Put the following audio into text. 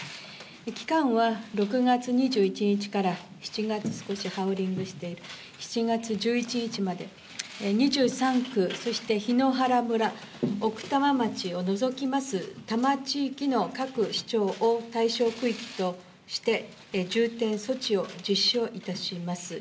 期間は６月２１日から７月１１日まで２３区そして檜原村奥多摩町を除きます多摩地域の各市町を対象区域として重点措置の実施を致します。